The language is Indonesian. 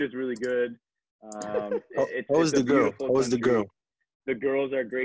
mereka juga bagus tentu saja